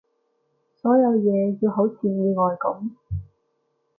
所有嘢要好似意外噉